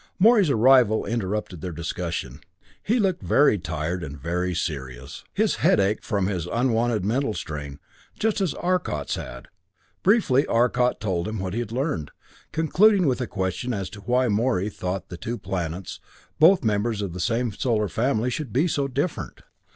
Morey's arrival interrupted their discussion. He looked very tired, and very serious. His head ached from his unwonted mental strain, just as Arcot's had. Briefly Arcot told him what he had learned, concluding with a question as to why Morey thought the two planets, both members of the same solar family, should be so different.